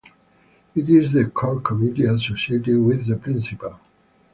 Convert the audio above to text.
It is the core committee associated with the principal.